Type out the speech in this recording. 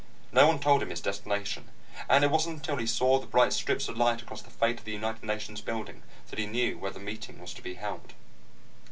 No one told him his destination, and it wasn't until he saw the bright strips of light across the face of the United Nations building that he knew where the meeting was to be held.